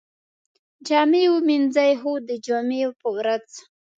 جامی ومینځئ؟ هو، د جمعې په ورځ